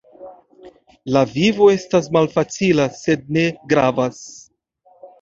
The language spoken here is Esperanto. La vivo estas malfacila, sed ne gravas.